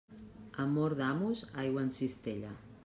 Amor d'amos, aigua en cistella.